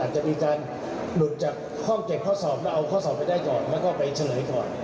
จะมีการหลุดจากห้องเก็บข้อสอบแล้วเอาข้อสอบไปได้ก่อนแล้วก็ไปเฉลยก่อน